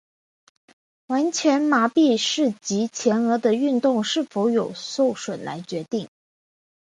完全麻痹是藉由前额的运动是否有受损来决定。